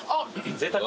ぜいたく！